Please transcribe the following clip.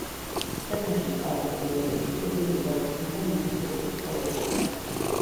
მცხეთაში სწავლის პერიოდში სურვილი გაუჩნდა მონასტრული ცხოვრებისა.